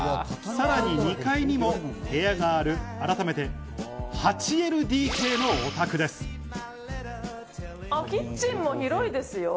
さらに２階にも部屋がある、改めて８ＬＤＫのお宅です。